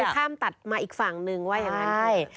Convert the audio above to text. คือข้ามตัดมาอีกฝั่งหนึ่งว่ายังไง